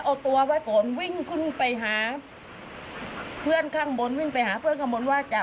เอาตัวไว้ก่อนวิ่งขึ้นไปหาเพื่อนข้างบนวิ่งไปหาเพื่อนข้างบนว่าจะ